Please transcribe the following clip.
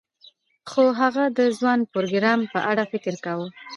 خو هغه د ځوان پروګرامر په اړه فکر کاوه